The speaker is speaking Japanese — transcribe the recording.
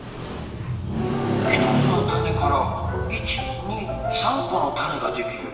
ひとつのたねから１２３このたねができる。